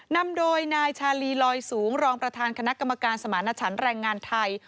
นำโดยนายชาลีลอยสูงรองประธานคณะกรรมการสมารณชันแรงงานไทย